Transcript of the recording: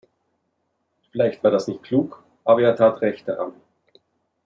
Vielleicht war das nicht klug, aber er tat Recht daran.